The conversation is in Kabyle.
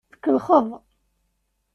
Tkellxeḍ.